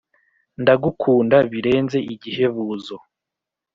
ndagukunda birenze igihebuzo,